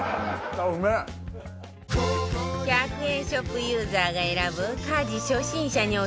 １００円ショップユーザーが選ぶ家事初心者にオススメ